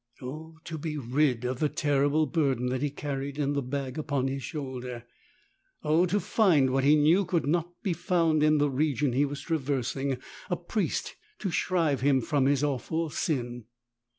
O to be rid of the terrible burden that he carried in the bag upon his shoulder ! O to find, what he knew could not be found in the region he was traversing, a priest to shrive him from his awful sin